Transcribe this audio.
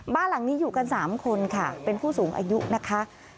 บ้านหลังนี้อยู่กัน๓คนค่ะเป็นผู้สูงอายุนะคะ